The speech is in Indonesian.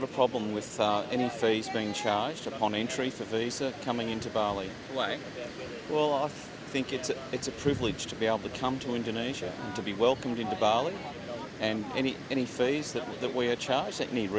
pembayaran penghutan yang kita panggil yang membutuhkan penghutan yang berharga